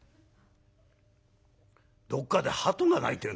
「どっかでハトが鳴いてる？」。